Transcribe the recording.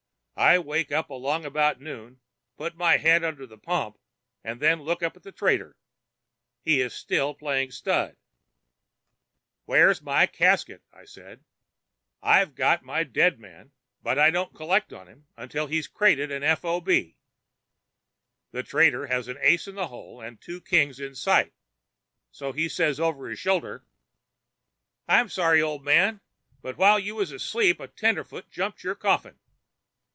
I wake up along about noon, put my head under the pump, and then look up the trader. He is still playing stud. "'Where's my casket?' says I. 'I've got my dead man, but I don't collect on him till he's crated and f. o. b.' The trader has an ace in the hole and two kings in sight, so he says over his shoulder: "'I'm sorry, old man, but while you was asleep a tenderfoot jumped your coffin.'